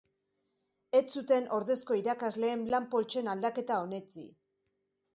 Ez zuten ordezko irakasleen lan-poltsen aldaketa onetsi.